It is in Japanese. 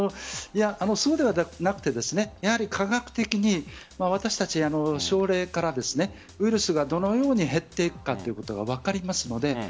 そうではなくてやはり科学的に私たち、症例からウイルスがどのように減っていくかということが分かりますので